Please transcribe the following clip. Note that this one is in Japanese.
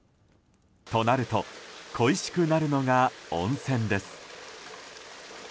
となると恋しくなるのが温泉です。